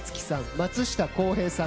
松下洸平さん